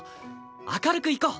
明るくいこう！